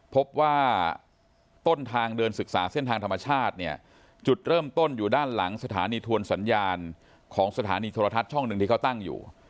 พบว่าต้นทางเดินศึกษาเส้นทางธรรมชาติเนี่ยจุดเริ่มต้นอยู่ด้านหลังสถานีทวนสัญญาณของสถานีโทรทัศน์ช่องหนึ่งที่เขาตั้งอยู่